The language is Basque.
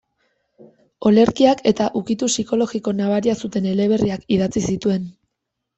Olerkiak eta ukitu psikologiko nabaria zuten eleberriak idatzi zituen.